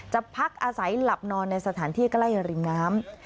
พักอาศัยหลับนอนในสถานที่ใกล้ริมน้ำ